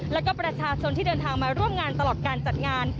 แล้วก็ประชาชนที่เดินทางมาร่วมงานตลอดการจัดงาน